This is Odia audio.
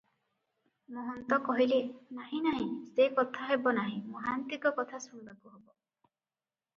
ମହନ୍ତ କହିଲେ, "ନାହିଁ ନାହିଁ, ସେ କଥା ହେବ ନାହିଁ, ମହାନ୍ତିଙ୍କ କଥା ଶୁଣିବାକୁ ହେବ ।"